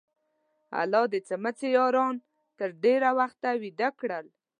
الله د څمڅې یاران تر ډېره وخته ویده کړل.